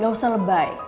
gak usah lebay